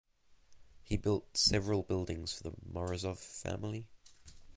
He built several buildings for the Morozov family.